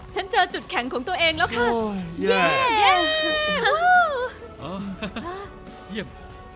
ฉันเจอจุดแข็งของตัวเองแล้วค่ะเย้โอ้โห